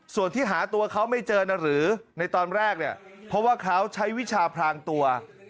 ส่วนที่หาตัวเขาไม่เจอนะหรือในตอนแรกเนี่ยเพราะว่าเขาใช้วิชาพรางตัว